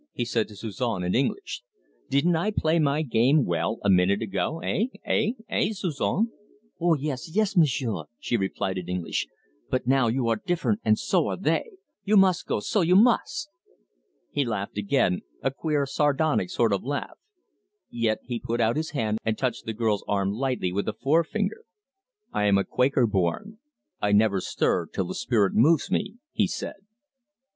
he said to Suzon in English. "Didn't I play my game well a minute ago eh eh eh, Suzon?" "Oh, yes, yes, M'sieu'," she replied in English; "but now you are differen' and so are they. You must goah, so, you must!" He laughed again, a queer sardonic sort of laugh, yet he put out his hand and touched the girl's arm lightly with a forefinger. "I am a Quaker born; I never stir till the spirit moves me," he said.